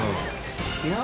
いくよ。